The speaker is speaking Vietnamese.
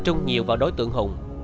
thành là con lớn